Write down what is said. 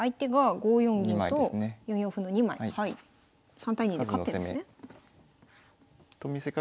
３対２で勝ってるんですね。